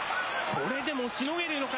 これでもしのげるのか？